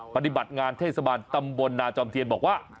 ปฏิบัติงานเทศบาลตำบลนาจอมเทียนบอกว่า